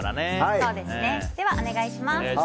では、お願いします。